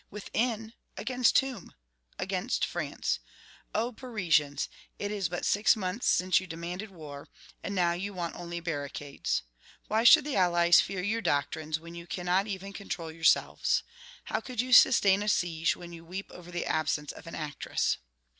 Within! against whom? Against France. O Parisians! it is but six months since you demanded war, and now you want only barricades. Why should the allies fear your doctrines, when you cannot even control yourselves?... How could you sustain a siege, when you weep over the absence of an actress?